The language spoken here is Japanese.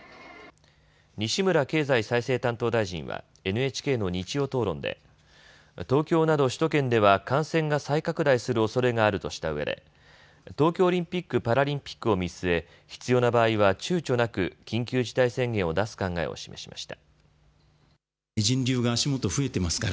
西村経済再生担当大臣はＮＨＫの日曜討論で東京など首都圏では感染が再拡大するおそれがあるとしたうえで東京オリンピック・パラリンピックを見据え必要な場合はちゅうちょなく緊急事態宣言を出す考えを示しました。